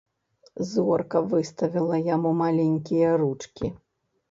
Зорка выставіла яму маленькія ручкі.